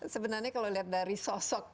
sebenarnya kalau lihat dari sosok